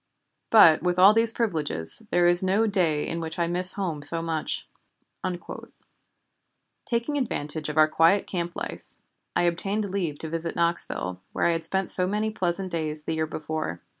But with all these privileges there is no day in which I miss home so much." Taking advantage of our quiet camp life, I obtained leave to visit Knoxville, where I had spent so many pleasant days the year before.